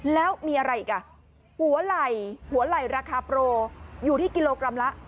แล้วมีอะไรอีกอ่ะหัวไหล่หัวไหล่ราคาโปรอยู่ที่กิโลกรัมละ